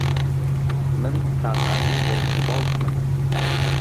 من تاقانەی دایک و باوکمم.